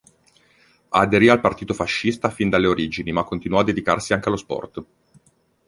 Aderì al Partito Fascista fin dalle origini ma continuò a dedicarsi anche allo sport.